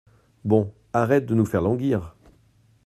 Bon, arrête de nous faire languir !